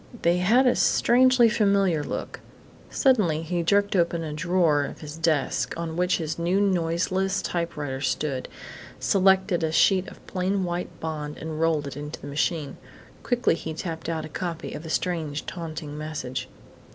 They had a strangely familiar look.... Suddenly he jerked open a drawer of his desk, on which his new noiseless typewriter stood, selected a sheet of plain white bond, and rolled it into the machine. Quickly he tapped out a copy of the strange, taunting message.